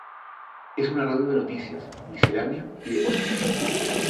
Es una radio de noticias, miscelánea y deportes.